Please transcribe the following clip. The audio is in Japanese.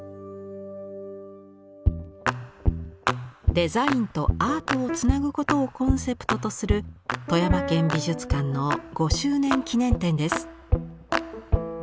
デザインとアートをつなぐことをコンセプトとする富山県美術館の５周年記念展です。